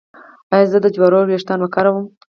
ایا زه د جوارو ويښتان وکاروم؟